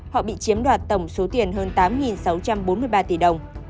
họ bị chiếm đoạt tổng số tiền hơn tám sáu trăm bốn mươi ba tỷ đồng